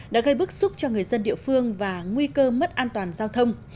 đã gây bức xúc cho người dân địa phương và nguy cơ mất an toàn giao thông